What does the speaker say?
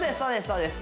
そうです